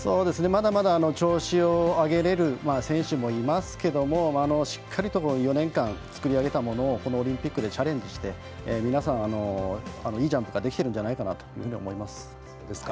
まだまだ調子を上げられる選手もいますけどもしっかりと４年間作り上げたものをこのオリンピックでチャレンジして皆さん、いいジャンプができてるんじゃないかなと思います。